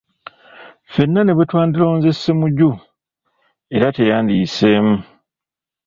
Ffenna ne bwe twandironze Ssemujju era teyandiyiseemu.